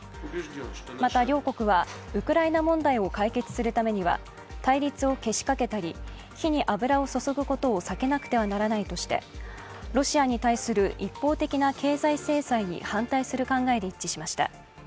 また、両国はウクライナ問題を解決するためには対立をけしかけたり、火に油を注ぐことを避けなくてはならないとしてロシアに対する一方的な経済制裁に反対する考えで一致しました。